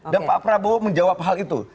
dan pak prabowo menjawab hal itu